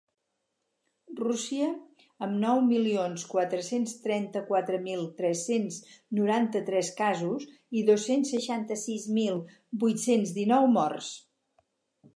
Rússia, amb nou milions quatre-cents trenta-quatre mil tres-cents noranta-tres casos i dos-cents seixanta-sis mil vuit-cents dinou morts.